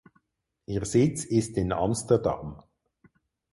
Ihr Sitz ist in Amsterdam.